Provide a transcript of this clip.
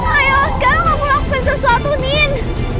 ayo sekarang aku lakukan sesuatu min